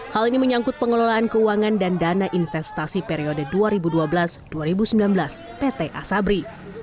hal ini menyangkut pengelolaan keuangan dan dana investasi periode dua ribu dua belas dua ribu sembilan belas pt asabri